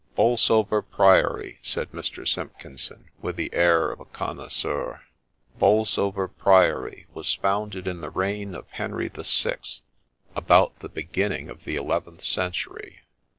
' Bolsover Priory,' said Mr. Simpkinson, with the air of a con noisseur,— ' Bolsover Priory was founded in the reign of Henry the Sixth, about the beginning of the eleventh century.